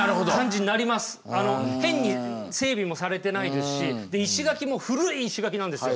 変に整備もされてないですし石垣も古い石垣なんですよ